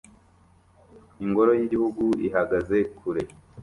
Ingoro yigihugu ihagaze kure